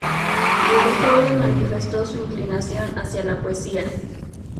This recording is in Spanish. Desde joven manifestó su inclinación hacia la poesía.